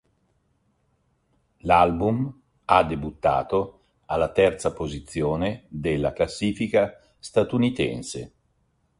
L'album ha debuttato alla terza posizione della classifica statunitense.